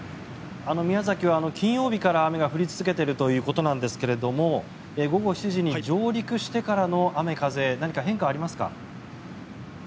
宮崎は金曜日から雨が降り続けているということなんですが午後７時に上陸してからの雨、風何か変化はありますか？